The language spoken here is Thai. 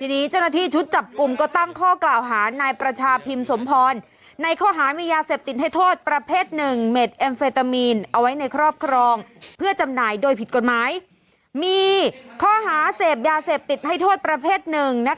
ทีนี้เจ้าหน้าที่ชุดจับกลุ่มก็ตั้งข้อกล่าวหานายประชาพิมพ์สมพรในข้อหามียาเสพติดให้โทษประเภทหนึ่ง